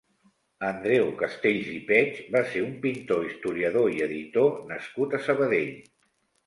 Andreu Castells i Peig va ser un pintor, historiador i editor nascut a Sabadell.